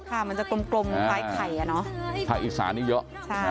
ค่ะมันจะกลมกลมตายไข่อ่ะเนอะถ้าอิสานิเยอะใช่